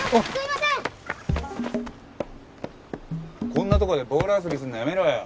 こんなとこでボール遊びするのやめろよ。